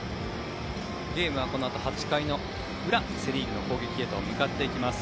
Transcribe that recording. ゲームはこのあと８回の裏セ・リーグの攻撃へと向かっていきます。